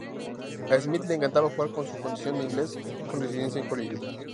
A Smith le encantaba jugar con su condición de "ingles con residencia en Hollywood".